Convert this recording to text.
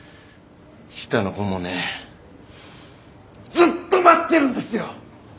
下の子もねずっと待ってるんですよ！